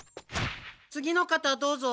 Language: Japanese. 次の方どうぞ。